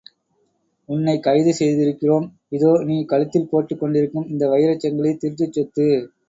உன்னைக் கைது செய்திருக்கிறோம், இதோ நீ கழுத்தில் போட்டுக் கொண்டிருக்கும் இந்த வைரச் சங்கிலி திருட்டுச் சொத்து.